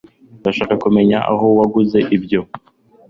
Ndashaka kumenya aho waguze ibyo